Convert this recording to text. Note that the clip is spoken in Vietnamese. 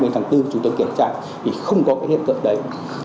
hai mươi tháng bốn chúng tôi kiểm tra thì không có cái hiệp cận đấy